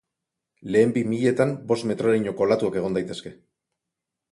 Lehen bi miletan bost metrorainoko olatuak egon daitezke.